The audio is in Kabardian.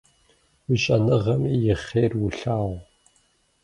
Уи щӏэныгъэми и хъер улъагъу!